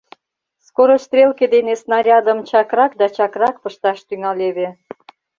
Скорострелке дене снарядым чакрак да чакрак пышташ тӱҥалеве..